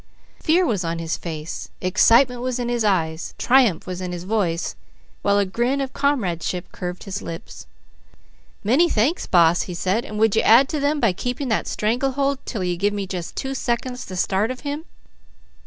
Fear was on his face, excitement was in his eyes, triumph was in his voice, while a grin of comradeship curved his lips. "Many thanks, Boss," he said. "And would you add to them by keeping that strangle hold 'til you give me just two seconds the start of him?"